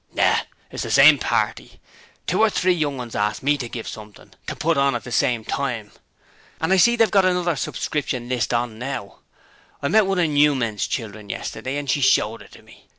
'Yes, it's the same party. Two or three young 'uns asked me to give 'em something to put on at the time. And I see they've got another subscription list on now. I met one of Newman's children yesterday and she showed it to me.